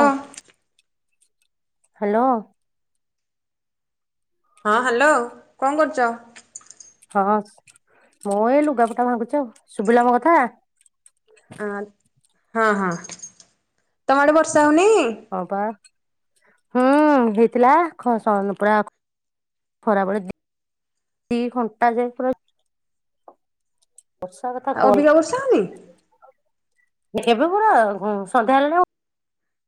ଓ ହଁ ହ୍ୟାଲୋ। ହଁ ହ୍ୟାଲୋ କଣ କରୁଛ? ହଁ ମୁଁ ଏ ଲୁଗାପଟା ଭାଙ୍ଗୁଛି ଆଉ ଶୁଭିଲ ମୋ କଥା ଅ ହଁ ହଁ ତମ ଆଡେ ବର୍ଷା ହଉନି? ହଁ ପା ହୁଁ ହେଇଥିଲା ପୁରା ଖରାବେଳେ ଦି ଘଣ୍ଟା ଯାଏ ପୁରା ବର୍ଷା କଥା ଅବିକା ବର୍ଷା କନା ହଉନି? ଏବେ ପୁରା ସନ୍ଧ୍ୟା ହେଲାଣୁ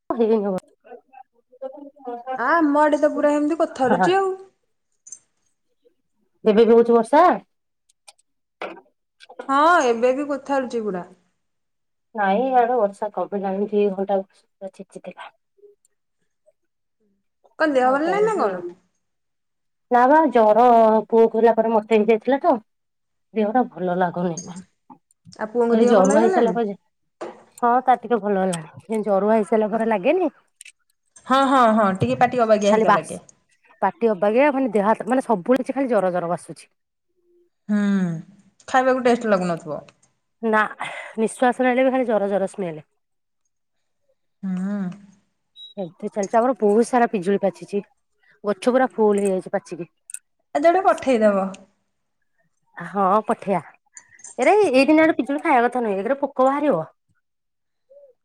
[inaudible] ବର୍ଷା। ଆ ଆମ ଆଡ଼େ ତ ପୁରା ଏମିତି ହଁ କୋଥାରୁଛି ଆଉ ଏବେ ବି ହଉଛି ବର୍ଷା? ହଁ ଏବେ ବି କୋଥାରୁଛି ପୂରା ନାଇଁ ଆଡେ ବର୍ଷା କମିଲାଣି ଦି ଘଣ୍ଟା ବର୍ଷା ଛେଚିଥିଲା। କଣ ଦେହ ହଉ ଭଲ ନାହିଁ ତାଇ ନା କଣ ହେଇନି। ନା ବା ଜର ପୁଅକୁ ହେଲା ପରେ ମତେ ହେଇ ଯାଇଥିଲା ତ? ଦେହ ଟା ଭଲ ଲାଗୁନି ଆଉ ପୁଅଙ୍କ ଖାଲି ଦେହ ଭଲ ଜରୁଆ ହେଇସାରିଲା ହେଇଗଲାଣି? ପରେ ଯେ ହଁ ତା ଟିକେ ଭଲ ହେଲାଣି ସେ ଜରୁଆ ହେଇସାରିଲା ପରେ ଲାଗେନି। ହଁ ହଁ ହଁ ଟିକେ ପାଟି ଅବାଗିଆ ଖାଲି ହେଇଗଲା ବାସି ଲାଗେ। ପାଟି ଅବାଗିଆ ମାନେ ଦେହ ମାନେ ସବୁବେଳେ କିଛି ଖାଲି ଜର ଜର ବାସୁଛି। ହୁଁ, ଖାଇବାକୁ ଟେଷ୍ଟ ଲାଗୁନଥିବ? ନା, ନିଃଶ୍ଵାସ ନେଲେ ବି ଖାଲି ଜର-ଜର ସ୍ମେଲେ। ହୁଁ। ଏମ୍ତି ଚାଲିଚି ଆମର ବହୁତ୍ ସାରା ପିଜୁଳି ପାଚିଚି, ଗଛ ପୁରା ଫୁଲ୍ ହେଇଯାଇଚି ପାଚିକି। ଆଜି ଗୋଟେ ପଠେଇଦବ। ଆ ହଁ ପଠେଇଆ। ଏରେ ଏଇ ଦିନେ ପିଜୁଳି ଖାଇବା କଥା ନୁହେଁ [unintelligible] ପୋକ ବାହାରିବ।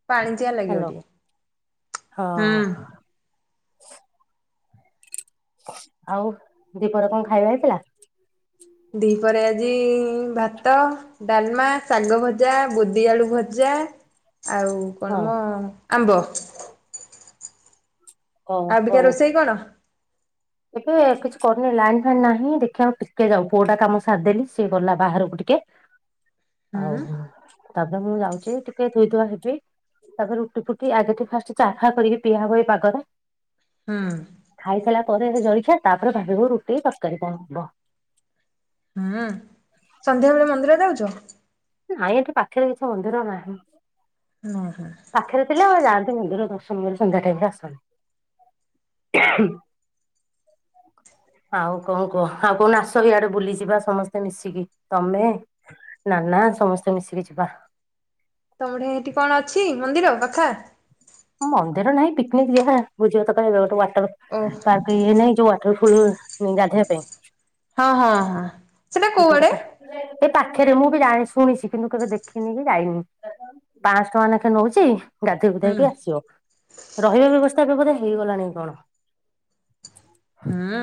ପାଣିଚିଆ ଲାଗିବ ହାଲୋ, ଟିକେ ହଁ। ହୁଁ। ଆଉ ଦୀପହରେ କଣ ଖାଇବା ହେଇଥିଲା? ଦିପହରେ ଆଜି ଭାତ ଡାଲମା, ଶାଗ ଭଜା, ବୋଦିଆଳୁ ଭଜା ଆଉ କଣ ହଁ ମ ଆମ୍ବ। ଆବିକା ଓହୋ ରୋଷେଇ କଣ? ଏବେ କିଛି କରୁନି ଲାଇନ ଫାଇନ୍ ନାହିଁ ଦେଖିଆ ଟିକେ ଯାଉ, ପୁଅଟା କାମ ସାରିଦେଲି ସିଏ ଗଲା ବାହାରକୁ ଟିକେ। ହୁଁ ଆଉ [unintelligible] ତାପରେ ମୁଁ ଯାଉଚି ଟିକେ ଧୁଇଧୁଆ ହେବି। ତାପରେ ରୁଟି ଫୁଟି ଆଗେ ଟିକେ ଫାଷ୍ଟ ଚାହା କରିକି ପିଆ ହବ ଏ ପାଗରେ। ହୁଁ। ଖାଇସାରିଲା ପରେ ଜାଳିଖିଆ ତାପରେ ଭାବିବୁ ରୁଟି ତରକାରୀ କଣ ହବ। ହୁଁ, ସନ୍ଧ୍ୟାବେଳେ ମନ୍ଦିର ଯାଉଚ? ନାଇଁ ଏଠି ପାଖେରେ କିଛି ମନ୍ଦିର ନାହିଁ। [unintelligible] ପାଖେରେ ଥିଲେ ଆଉ ଯାଆନ୍ତି ମନ୍ଦିର ଦର୍ଶନ କରି ସନ୍ଧ୍ୟା ଟାଇମ୍ ରେ ଆସନ୍ତି। ଆଉ କଣ କୁହ ଆଉ କୋଉନ ଆସ ଇଆଡେ ବୁଲିଯିବା ସମସ୍ତେ ମିଶିକି, ତମେ ନା-ନା ସମସ୍ତେ ମିଶିକି ଯିବା। ତମଠେଇଁ ଏଇଠି କଣ ଅଛି ମନ୍ଦିର ପାଖା? ମନ୍ଦିର ନାହିଁ ପିକ୍ନିକ୍ ଯିବା ବୁଝିବ ତ [unintelligible] ଗୋଟେ ଓ ୱାଟର ପାର୍କ ଇଏ ନାହିଁ ଯୋଉ ୱାଟର୍ ଫୁଲ୍ ଗାଧୋଇବା ପାଇଁ। ହଁ-ହଁ-ହଁ ସେଟା କୋଉଆଡେ? ଏ ପାଖେରେ, ମୁଁ ବି ଜାଣି ଶୁଣିଚି କିନ୍ତୁ କେବେ ଦେଖିନି କି ଯାଇନି। ପାଞ୍ଚସହ ଟଙ୍କା ନେଖେ ନଉଚି ଗାଧେଇ ହୁଁ ଗୁଧାଇକି ଆସି ରହିବା ବ୍ୟବସ୍ଥା ଏବେ ବଧେ ହେଇଗଲାଣି କି କଣ। ହୁଁ।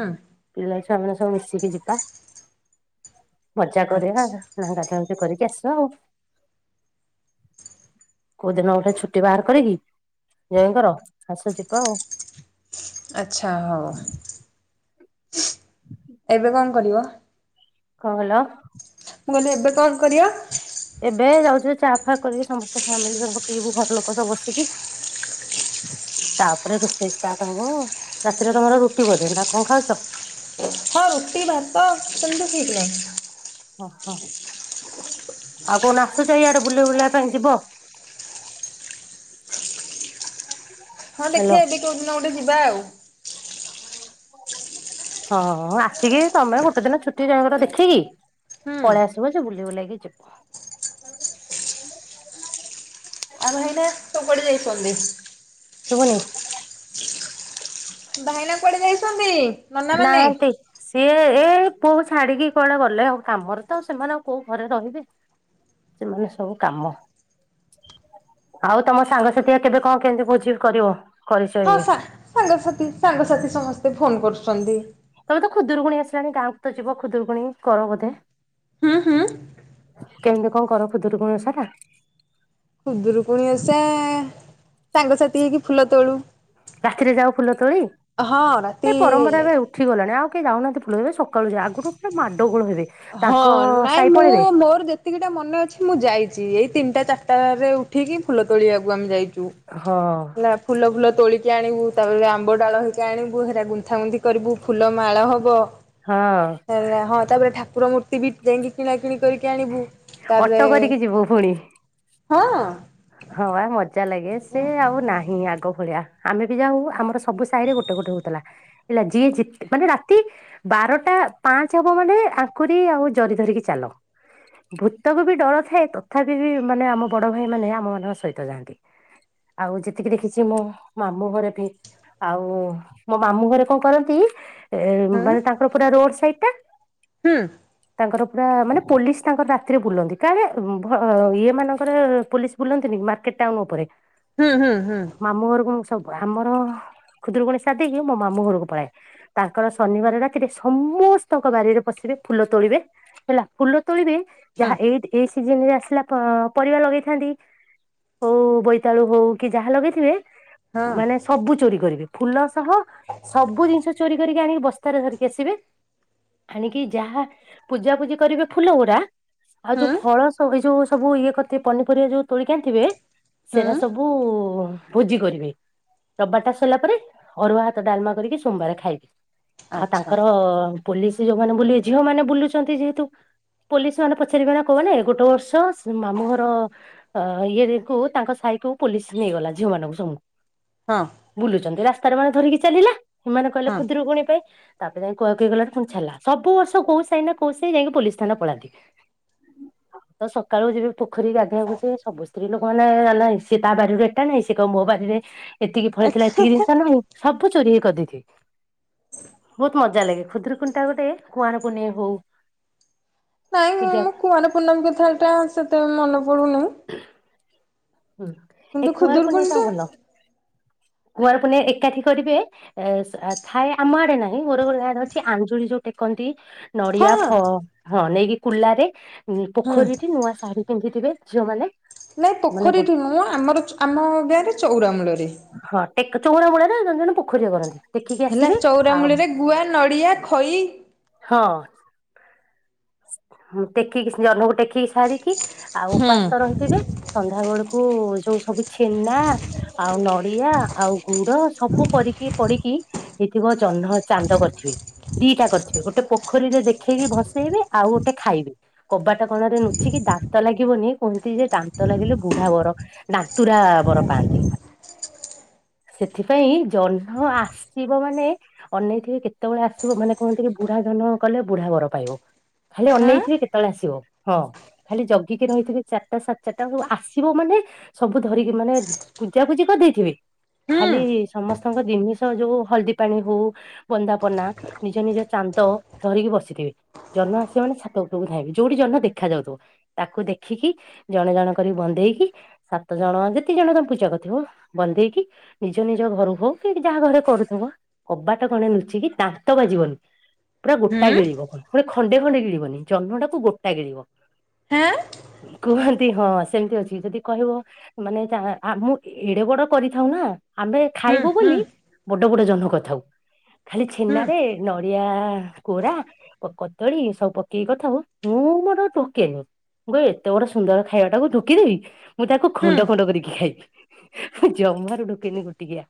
ପିଲା ଛୁଆମାନେ ସବୁ ମିଶିକି ଯିବା ମଜା କରିବା। ଆଚ୍ଛା [inaudible] କରିକି ଆସିବା ଆଉ। କୋଉଦିନ ଗୋଟେ ଛୁଟି ବାହାର କରିକି ଜ୍ୱାଇଁଙ୍କର ଆସ ଯିବା ଆଉ। ଆଚ୍ଛା ହଉ। ହୁଁ ଏବେ କଣ କରିବ? କଣ କଇଲ? ମୁଁ କହିଲି ଏବେ କଣ କରିବ? ଏବେ ଯାଉଚି ଚା ଫା କରିକି ସମସ୍ତେ ଫ୍ୟାମିଲି ପିଇବୁ ଘର ଲୋକ ସବୁ ବସିକି। ତାପରେ ରୋଷେଇ ଷ୍ଟାର୍ଟ ହବ, ରାତିରେ ତମର ରୁଟି ବୋଧେ ନା କଣ ଖାଉଚ? [inaudible] ରୁଟି, ଭାତ ସେମତି ଠିକ୍ ନାହିଁ। ଓହୋ! ଆଉ କଉନ ଆସୁଛ, ଇଆଡେ ବୁଲି ବୁଲା ପାଇଁ ଯିବ? ହଁ, ହେଲୋ ଦେଖିବା ଏବେ କୋଉଦିନ ଗୋଟେ ଯିବା ଆଉ। ହଁ, ଆସିକି ତମେ ଗୋଟେ ଦିନ ଛୁଟି ଜଣର ଦେଖିକି ହୁଁ। ପଳେଇ ଆସିବ ଯେ, ବୁଲି ବୁଲାକି ଯିବୁ। ଆଉ ଭାଇନା? ସଉ କୁଆଡେ ଯାଇଚନ୍ଦି? ଶୁଭୁନି? ଭାଇନା କୁଆଡେ ଯାଇଛନ୍ତି? ନନା ମାନେ? ନାହାନ୍ତି। ସିଏ ଏ, ପୁଅକୁ ଛାଡିକି କୁଆଡେ ଗଲେ, ଆଉ କାମରେ ତ, ସେମାନେ ଆଉ କୋଉ ଘରେ ରହିବେ? ସେମାନେ ସବୁ କାମ ଆଉ ତମ ସାଙ୍ଗସାଥିଆ, କେବେ କଣ କେମିତି ଭୋଜି କରିବ? କରିଛ ହଁ, ଇଏ ସାଙ୍ଗ୍ ସାଙ୍ଗସାଥି ସାଙ୍ଗସାଥି ସମସ୍ତେ ଫୋନ୍ କରୁଛନ୍ତି। ତମେ ତ ଖୁଦୁରୁକୁଣୀ ଆସିଲାଣି, ଗାଁ କୁ ତ ଯିବ। ଖୁଦୁରୁକୁଣୀ କର ବୋଧେ! ହୁଁ, ହୁଁ। କେମିତି କଣ କର ଖୁଦୁରୁକୁଣୀ ଓଷା ଟା? ଖୁଦୁରୁକୁଣୀ ଓଷା-ଆ, ସାଙ୍ଗସାଥି ହେଇକି ଫୁଲ ତୋଳୁ। ରାତିରେ ଯାଉ ଫୁଲ ତୋଳି? ହଁ ଏ ରାତି ପରମ୍ପରା ଏବେ ଉଠିଗଲାଣି, ଆଉ କେହି ଯାଉନାହାଁନ୍ତି ଫୁଲ ତୋଳି? ଏ ସକାଳୁ ଯା। ଆଗରୁ ପୁରା ମାଡ ଗୋଳ ହେବେ। ତାଙ୍କ-ଅ ସାଇ ପଳେଇବେ। ଏତିକିଟା ମନେ ଅଛି, ମୁଁ ଯାଇଛି। ଏଇ ତିନିଟା ଚାରିଟାରେ ଉଠିକି ଫୁଲ ତୋଳିବାକୁ ଆମେ ଯାଇଛୁ। ହଁ। ଫୁଲ ଫୁଲ ତୋଳିକି ଆଣିବୁ। ତା'ପରେ ଆମ୍ବ ଡାଳ ହେରିକା ଆଣିବୁ, ହେରା ଗୁନ୍ଥାଗୁନ୍ଥି କରିବୁ। ଫୁଲ ମାଳ ହବ। ହଁ। ହେଲା ହଁ, ତା'ପରେ ଠାକୁର ମୂର୍ତ୍ତି ବି ଯାଇକି କିଣା କିିଣି କରିକି ଆଣିବୁ। ତା'ପରେ ଅଟୋ କରିକି ଯିବୁ ପୁଣି ହଁ, ହଁ, ବା ମଜା ଲାଗେ। ସେ ଆଉ ନାହିଁ ଆଗ ଭଳିଆ। ଆମେ ବି ଯାଉ, ଆମର ସବୁ ସାହିରେ ଗୋଟେ ଗୋଟେ ହଉଥିଲା। ହେଲା ଯିଏ ଯେତେ ମାନେ ରାତି ବାରଟା ପାଞ୍ଚ ହବ, ମାନେ ଆଙ୍କୁଡ଼ି ଆଉ ଜରି ଧରିକି ଚାଲ। ଭୂତକୁ ବି ଡର ଥାଏ। ତଥାପି, ବି ମାନେ ଆମ ବଡ ଭାଇ ମାନେ ଆମ ମାନଙ୍କ ସହିତ ଯାଆନ୍ତି। ଆଉ ଯେତିକି ଦେଖିଛି, ମୁଁ, ମାମୁଁ ଘରେ ବି ଆଉ ମୋ ମାମୁଁ ଘରେ କଣ କରନ୍ତି? ଏ ହଁ ମାନେ ତାଙ୍କର ପୁରା ରୋଡ୍‌ ସାଇଡ୍‌ ଟା ହୁଁ। ତାଙ୍କର ପୁରା ମାନେ ପୋଲିସ୍‌ ତାଙ୍କର ରାତିରେ ବୁଲନ୍ତି। କାଳେ ଭ-ଅ ଇଏ ମାନଙ୍କରେ ପୋଲିସ୍ ବୁଲନ୍ତିନି, ମାର୍କେଟ ଟାଉନ୍ ଉପରେ ହୁଁ, ହୁଁ, ହୁଁ? ମାମୁଁ ଘରକୁ ମୁଁ ସବୁ। ଆମର ଖୁଦୁରୁକୁଣୀ ସାରିଦେଇକି, ମୋ ମାମୁଁ ଘରକୁ ପଳାଏ। ତାଙ୍କର ଶନିବାର ରାତିରେ ସମସ୍ତଙ୍କ ବାରିରେ ପଶିବେ, ଫୁଲ ତୋଳିବେ। ହେଲା ଫୁଲ ତୋଳିବେ, ହୁଁ ଯାହା ଏଇ ଏଇ ସିଜନରେ ଆସିଲା ପ-ପରିବା ଲଗେଇଥାନ୍ତି। ହଉ ବୋଇତାଳୁ ହଉ, କି ଯାହା ଲଗେଇଥିବେ ହଁ ମାନେ ସବୁ ଚୋରି କରିବେ। ଫୁଲ ସହ ସବୁ ଜିନିଷ ଚୋରି କରିକି ଆଣିକି, ବସ୍ତାରେ ଧରିକି ଆସିବେ। ଆଣିକି ଯାହା ପୂଜାପୂଜି କରିବେ ଫୁଲ ଗୁଡା। ଆଉ ଯୋଉ ହୁଁ ଫଳ ସ ଏଇ ଯୋଉ ସବୁ ଇଏ କରି ଥିବ୍, ପନିପରିବା ଯୋଉ ତୋଳିକ ଆଣିଥିବେ। ହୁଁ ସେରା ସବୁ ବୁ ଭୁଜି କରିବେ। ରବାର୍ଟା ସରିଲା ପରେ ଅରୁଆ ହାତ ଡାଲମା କରିକି ସୋମବାର ଖାଇବେ ଆଉ ଆଚ୍ଛା ତାଙ୍କର ପୋଲିସ ଯୋଉମାନେ ବୁଲିବେ ଝିଅ ମାନ ବୁଲୁଛନ୍ତି ଯେହେତୁ ପୋଲିସ ମାନେ ପଚାରିବେ ନା କଉମାନେ ଗୋଟେ ବର୍ଷ ମାମୁ ଘର ଅ ଇଏରେ କୁ ତାଙ୍କ ସାଇ କୁ ପୋଲିସ ନେଇଗଲା ଝିଅମାନଙ୍କୁ ସଙ୍ଗୁ ହଁ ବୁଲୁଛନ୍ତି ରାସ୍ତତାରେ ମାନେ ଧରିକି ଚାଲିଲା ଏମାନେ କହିଲେ ହଁ ଖୁଦରୁକୁୁଣି ପାଇଁ ତାପରେ ଯାଇ କୁଆ କୁହି ଗୁଲା ପୁଣି ଛଲା ସବୁବର୍ଷ କୋଉ ସାଇ ନା କଉ ସାଇ ଯାଇକି ପୋଲିସ୍‌ ଥାନା ପଳାନ୍ତି ଆଉ ସକାଳୁ ଯିବି ପୋଖରୀ ଗାଧଆବାକୁ ସେ ସବୁ ସ୍ତ୍ରୀ ଲୋକମାନେ ଆଲାଇ- ସେ ତା ବାଡିରୁ ଏଟା ନାଇଁ ସେ କହିବ ମୋ ବାରିରେ ଏତିକି ଫଳିଥିଲା ଏତିକି ଜିନିଷ ନଁ ସବୁ ଚୋରି ହେଇ କରିଦେଇଥିଲ- ବହୁତ ମଜା ଲାଗେ ଖୁଦୁକୁଣିଟା ଗୋଟେ କୁଆରକୁନେଇେ ହଉ ନାଇଁ ପୂଜା ମୁଁ କୁଆର ପୂର୍ଣ୍ଣମୀ କଥା ଏଟା ସେତେ ମନେ ପଡୁନି [unintelligible] ହୁଁ ଏ କିନ୍ତୁ କୁଆରକୁୁନେଇଟା ଖୁଦୁରୁକୁଣିଟା ଭଲ କୁଆଁରପୁନେଇ ଏକାଠି କରିବେ ଏସ୍‌- ଆ ଥାଏ ଆମ ଆଡେ ନାହିଁ ମୋର ଅଛି ଆଞ୍ଳି ଯୋଉ ଟେକନ୍ତି ହଁ ନଡିଆ ଫ ହଁ ନେଇକି କୁଲାରେ ହୁଁ ପୋଖରୀରେ ନୂଆ ଶାଢୀ ପିନ୍ଧିଥିବେ ଝିଅମାନେ ନାହିଁ ମାନେ ପୋଖରୀଠୁଁ ଆମରଛୁ ଆମର ଆମ ଗାଁରେ ଚଉରାମୂଳରେ ହଁ ଟେକ ଚଉରାମୂଳରେ ଜଣେଜଣେ ପୋଖରୀରେ କରନ୍ତି ଦେଖିକି ହେଲା ଆସିବେ ଆଉ ଚଉରାମୂଳିରେ ଗୁଆ ନଡ଼ିଆ ଖଇ ହଁ ଦେଖିକି ଜନ୍ମକୁ ଟେଖିକି ସାରିକି ଆଉ ହୁଁ ଉପାସ କରନ୍ତିଥିବେ ସନ୍ଧ୍ୟା ବେଳକୁ ଯୋଉ ସବୁ ଛେନା ଆଉ ନଡିଆ ଆଉ ଗୁଡ ସବୁ ପରିକି ପିଡିକି ହେଇଥିବ ଚହ୍ନ ଚାନ୍ଦ କରିଥିବେ ଦିଟା କରିଥିବେ ଗୋଟେ ପୋଖରୀରେ ଦେଖେଇକି ଭସେଇବେ ଆଉ ଗୋଟେ ଖାଇବେ କବାଟ କଣରେ ନୁଚିକି ଦାନ୍ତ ଲାଗିବନି କୁହନ୍ତି ଯେ ଦାନ୍ତ ଲାଗିଲେ ବୁଢା ବର ଦାନ୍ତୁରା ବର ପାଆନ୍ତି ସେଥିପାଇଁ ଜହ୍ନ ଆସିବ ମାନେ ଅନେଇଥିବି କେତେବେଳେ ଆସିବ ମାନେ କୁହନ୍ତି କି ବୁଢା ଧନ କଲେ ବୁଢା ଘର ପାଇବ ଖାଲି ହଁ ଅନେଇଥିବେ କେତେବେଳେ ଆସିବ ହଁ ଖାଲି ଜଗିକି ରହିଥିବେ ଚାରିଟା ସାଡ୍‌ଚାରିଟା ଆସିବ ମାନେ ସବୁ ଧରିକି ମାନେ ପୂଜା ପୂଜି କରିଦେଇଥିବେ ହୁଁ ଖାଲି ସମସ୍ତଙ୍କ ଜିନିଷ ଯୋଉ ହଳଦୀ ପାଣି ହଉ ବନ୍ଦାପନା ନିଜ ନିଜ ଚାନ୍ଦ ଧରିକି ବସିଥିବେ ଜହ୍ନଆସ୍‌- ସେମାନେେ ଛାତ ଉପୁରକୁ ଧାଇବି ଯୋଉଠି ଜନ୍ନ ଦେଖା ଯାଉଥିବ ତାକୁ ଦେଖିକି ଜଣେ ଜଣ କରିକି ବଧେଇକି ସାତ ଜଣ ଯେତେ ଜଣ ତମେ ପୂଜା କରିଥିବ ବଧେଇକି ନିଜ ନିଜ ଘରୁ ହଉ କି ଯାହା ଘରେ କରୁଥିବ କବାଟ କଣେ ଲୁଚିକି ଦାନ୍ତ ବାଜିବନି ପୁରା ଗୋଟା ହୁଁ ଗିଳିବ କ ମଟେ ଖଣ୍ଡେ ଖଣ୍ଡେ ଗିଳିବନି ଜହ୍ନଟାକୁ ଗୋଟା ଗିଳିବ ହଁ କୁହନ୍ତି ହଁ ସେମିତି ଅଛି ଯଦି କହିବ ମାନେ ତା ଆମ ଏଡେ ବଡ କରିଥାଉ ନା ଆମେ ହୁଁ ଖାଇବୁ ହୁଁ ବୋଲି ବଡ ବଡ ଜନକରି ଥାଉ ଖାଲି ହୁଁ ଛେନାରେ ନଡିଆ କୋରା କୋ କଦଳୀ ସବୁ କି କଥା ହଉ ମୁଁ ମୋର ଢୋକେନେହିଁ ମୁଁ କହିଲ ଏତେ ଗୋଟେ ସୁନ୍ଦର ଖାଇବା ଟାକୁ ଢୋକିବିନେହିଁ। ମୁଁ ତାକୁ ହୁଁ ଖଣ୍ଡ ଖଣ୍ଡ କରିକି ଖାଇବି ଜମାରୁ ଢୋକେନି ଗୋଟିକିଆ।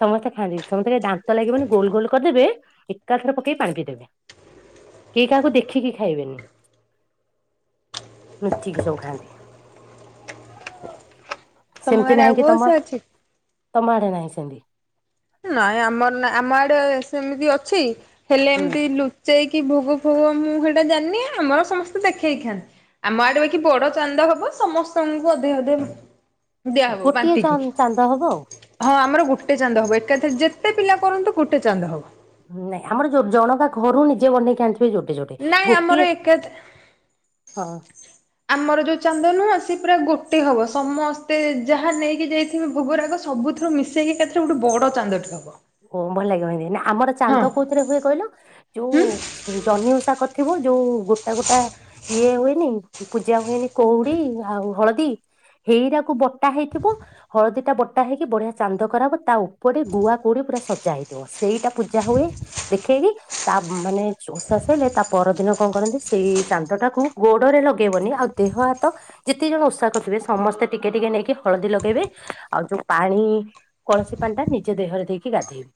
ସମସ୍ତେ ଖାନ୍ତି ସମସ୍ତେ ଦାନ୍ତ ଲାଗିବ ନାହିଁ ଗୋଲ ଗୋଲ କରିଦେବେ ଏକା ଥରେ ପକେଇକି ପାଣି ପଇଦେବେ। କେହି କାହାକୁ ଦେଖିକି ଖାଇବେନି ଲୁଚିକି ସବୁ ଖାଆନ୍ତି। ତମ ସେମତି ଗାଁରେ ଆଉ ନାହିଁ କି କୋଉ ଓଷା ତମର ଅଛି? ତମ ଆଡେ ନାହିଁ ସେମିତି? ନାଇଁ ଆମର ନା ଆମ ଆଡେ ସେମିତି ଅଛି ହେଲେ ହୁଁ। ଏମିତିଲୁ ସେଟି ଭୋଗ ଫୋଗ ମୁଁ ହେଇଟା ଜାଣିନି ଆମର ସମସ୍ତେ ଦେଖେଇକି ଖାଆନ୍ତି। ଆମ ଆଡେ ଏକି ବଡ ଚାନ୍ଦ ହବ ସମସ୍ତଙ୍କୁ ଅଧେ ଅଧେ ଦିଆହବ ଗୋଟିଏ ବାନ୍ଟି ଚା କି। ଚାନ୍ଦ ହବ ଆଉ। ହଁ ଆମର ଗୋଟେ ଚାନ୍ଦ ହବ ଏକାଥରେ ଯେତେ ପିଲା କରନ୍ତୁ ଗୋଟେ ଚାନ୍ଦ ହବ। ନାଇଁ ଆମରୋ ଜଣକା ଘରୁ ନିଜେ ବନେଇକି ଆଣିଥିବେ ଯୋଡେ ଯୋଡେ ନାଇଁ ଆମର ଗୋଟିଏ। ଏକା ହଁ। ଆମର ଯୋଉ ଚାନ୍ଦ ନୁହଁ ସିଏ ପୁରା ଗୋଟେ ହବ ସମସ୍ତେ ଯାହା ନେଇକି ଯାଇଥିବେ ଭୋଗରାଗ ସବୁଥିରୁ ମିଶ୍ ସେଇଟି ଏକାଥରେ ଗୋଟେ ବଡ ଚାନ୍ଦଟେ ହବ। ଓଁ ଭଲ ଲାଗିବ ଭଲାଵନେହିଁନା ଆମର ଚାନ୍ଦ ହଁ କୋଉଥିରେ ହୁଏ କହିଲ? ହୁଁ ଯୋଉ ଜହ୍ନି ଉଷା କଥିବେ ଯୋଉ ଗୋଟା ଗୋଟା ଇଏ ହୁଏନି ପୂଜା ହୁଏନି କଉଡି ଆଉ ହଳଦୀ। ହେଇରାାକୁ ବଟା ହେଇଥିବ ହଳଦୀ ଟା ବଟା ହେଇକି ବଢିଆ ଚାନ୍ଦ କରାହବ ତା ଉପରେ ଗୁଆ ପୁଡି ପୁରା ସଜା ହେଇଥିବ ସେଇଟା ପୂଜା ହୁଏ ଦେଖେଇକି। ତା ମାନେ ଓଷାଷଇଲେ ତା ପରଦିନ କଣ କରନ୍ତି ସେଇ ଚାନ୍ଦ ଟାକୁ ଗୋଡରେ ଲଗେଇବନି ଆଉ। ଦେହ ହାତ ଯେତେ ଜଣ ଓଷାକରି ଥିବେ ସମସ୍ତେ ଟିକେ ଟିକେ ନେଇକି ହଳଦୀ ଲଗେଇବେ ଆଉ ଯୋଉ ପାଣି କଳସୀ ପାଣି ଟା ନିଜ ଦେହରେ ଦେଇକି ଗାଧେଇବେ।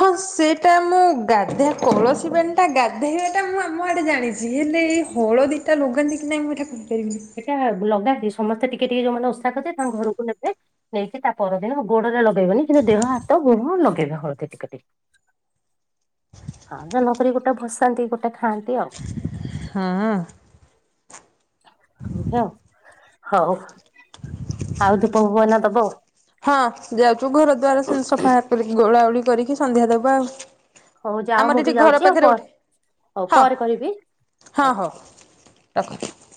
ହଁ ସେଟା ମୁଁ ଗାଧେଇ କଳସୀ ପଣିଟା ଗାଧେଇବାଟା ମୁଁ ଆମ ଆଡେ ଜାଣିଛି ହେଲେ। ହଳ ଦିଟା ଲଗାନ୍ତି କି ନାାଇ ମୁଁ ଏଟା କହିପାରିବିନି। ଏଟା ଲଗାନ୍ତି ସମସ୍ତେ ଟିକେ ଟିକେ ଯୋଉମାନେ ଓଷା କରିଥିବେ ତାଙ୍କ ଘରକୁ ନେବେ। ନେଇକି ତା ପରଦିନ ଗୋଡରେ ଲଗେଇବେନି କିନ୍ତୁ ଦେହ ହାତ ବୋହୁ ଲଗେଇବେ ହଳଦୀ ଟିକେ ଟିକେ। ହଁ ତେଣୁକରି ଗୋଟେ ଭସାନ୍ତି ଗୋଟେ ଖାଆନ୍ତି ଆଉ। ହଁ। ଯିବା ହଉ ଆଉ ଧୂପ ଫୁପ ଏନା ଦବ? ହଁ ଯାଉଛୁ ଘର ଦ୍ୱର ସିମିତି ସଫା କରିକି ଓଳାଉଳି କରିକି ସନ୍ଧ୍ୟା ଦେବା ଆଉ। ହଉ ଯାଅ ଆମର ମୁଁ ଏଠି ବି ଘର ଯାଉଛି ଆଉ ପାଖରେ ଗୋଟେ ହଉ ହଁ ପରେ କରିବି। ହଁ ହଉ ରଖୁଛି।